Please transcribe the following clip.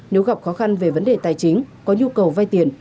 nếu gặp khó khăn về vấn đề tài chính có nhu cầu vay tiền